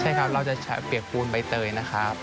ใช่ครับเราจะเปียกปูนใบเตยนะครับ